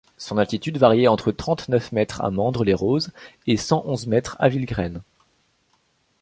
Son altitude variait entre trente-neuf mètres à Mandres-les-Roses et cent onze mètres à Villecresnes.